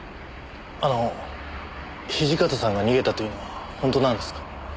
あの土方さんが逃げたというのは本当なんですか？